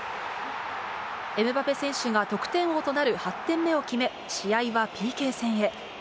エムバペ選手が得点王となる８点目を決め、試合はＰＫ戦へ。